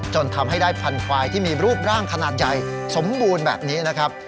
จนทำให้ได้พันธวายที่มีรูปร่างขนาดใหญ่สมบูรณ์แบบนี้นะครับ